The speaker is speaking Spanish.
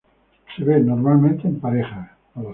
Se ve normalmente en parejas.